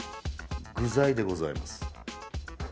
具材でございます。